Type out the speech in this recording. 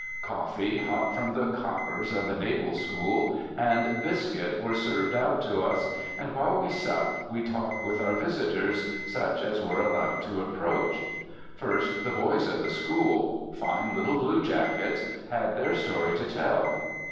Coffee, hot from the coppers of the Naval School, and biscuit were served out to us; and while we supped, we talked with our visitors, such as were allowed to approach. First the boys of the School fine little blue jackets had their story to tell.